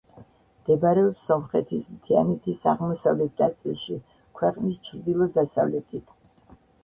მდებარეობს სომხეთის მთიანეთის აღმოსავლეთ ნაწილში, ქვეყნის ჩრდილო-დასავლეთით.